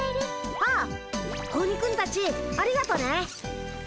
あっ子鬼君たちありがとね。